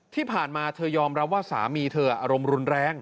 ที่ผ่านมาเธอยอมรับว่าสามีเธออารมณ์รุนแรง